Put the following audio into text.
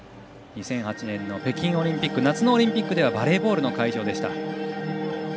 ２００８年の北京オリンピック夏のオリンピックではバレーボールの会場でした。